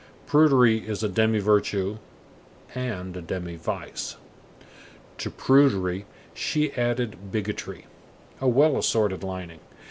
Prudery is a demi virtue and a demi vice. To prudery she added bigotry, a well assorted lining.